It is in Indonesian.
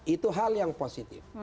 itu hal yang positif